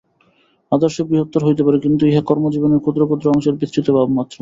আদর্শ বৃহত্তর হইতে পারে, কিন্তু ইহা কর্মজীবনের ক্ষুদ্র ক্ষুদ্র অংশের বিস্তৃত ভাবমাত্র।